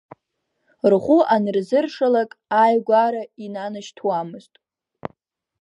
Рхәы анырзыршалак, ааигәара инанашьҭуамызт…